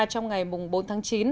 trong ngày bốn tháng chín